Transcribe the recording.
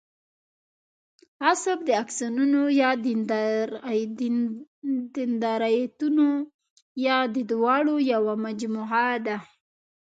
عصب د آکسونونو یا دندرایتونو یا د دواړو یوه مجموعه ده.